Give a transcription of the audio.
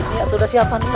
ini atur siapa nih